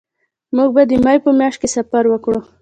مونږ به د مې په میاشت کې سفر وکړو